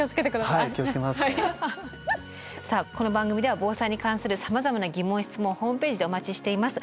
さあこの番組では防災に関するさまざまな疑問・質問をホームページでお待ちしています。